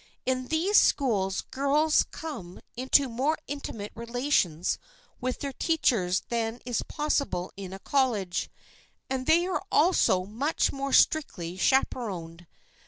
In these schools girls come into more intimate relations with their teachers than is possible in a college, and they are also much more strictly chaperoned.